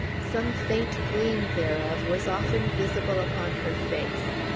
Some faint gleam thereof was often visible upon her face.